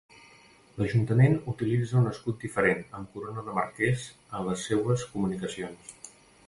L'Ajuntament utilitza un escut diferent, amb corona de marqués, en les seues comunicacions.